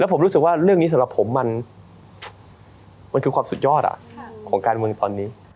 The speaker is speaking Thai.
ผมรู้สึกว่าเรื่องนี้สำหรับผมมันคือความสุดยอดของการเมืองตอนนี้